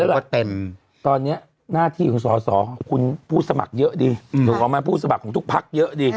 ตอนนี้หน้าที่ของสอสอคุณผู้สมัครเยอะดิถูกออกไหมผู้สมัครของทุกพักเยอะดิ